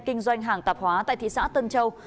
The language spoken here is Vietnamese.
kinh doanh hàng tạp hóa tại thị xã tân châu